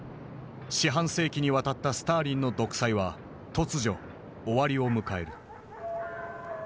四半世紀にわたったスターリンの独裁は突如終わりを迎える。